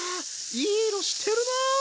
いい色してるな！